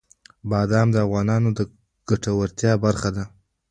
بادام د افغانانو د ګټورتیا برخه ده.